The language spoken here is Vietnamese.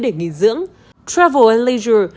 để nghỉ dưỡng travel and leisure